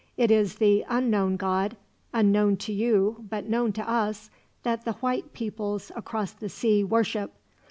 It is the Unknown God unknown to you, but known to us that the white peoples across the sea worship.